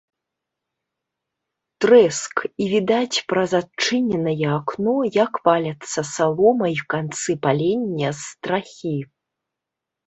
Трэск, і відаць праз адчыненае акно, як валяцца салома і канцы палення з страхі.